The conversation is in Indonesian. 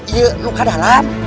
iyek luka dalat